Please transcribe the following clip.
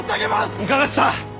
いかがした！